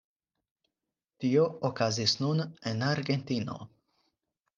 Tio okazis nun en Argentino.